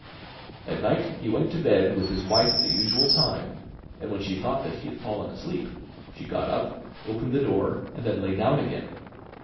At night he went to bed with his wife at the usual time, and when she thought that he had fallen asleep, she got up, opened the door, and then lay down again.